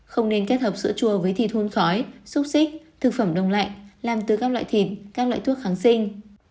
không nên kết hợp sữa chua với thịt thôn khói xúc xích thực phẩm đông lạnh làm từ các loại thịt các loại thuốc kháng sinh